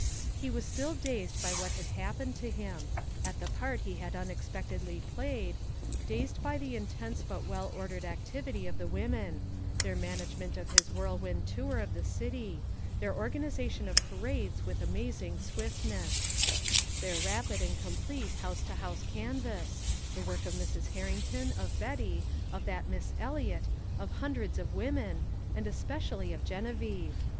He was still dazed by what had happened to him at the part he had unexpectedly played dazed by the intense but well ordered activity of the women: their management of his whirlwind tour of the city; their organization of parades with amazing swiftness; their rapid and complete house to house canvass the work of Mrs. Herrington, of Betty, of that Miss Eliot, of hundreds of women and especially of Geneviève.